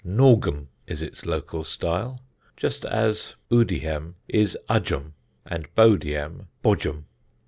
Norgem is its local style, just as Udiham is Udgem and Bodiam Bodgem.